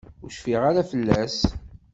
Ur cfiɣ ara fell-as.